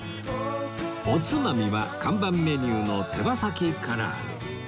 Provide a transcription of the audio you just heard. おつまみは看板メニューの手羽先唐揚